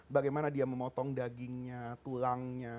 bagaimana dia memotong dagingnya tulangnya